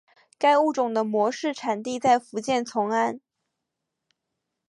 该物种的模式产地在福建崇安。